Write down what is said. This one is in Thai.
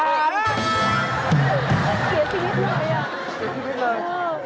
เสียชีวิตเลย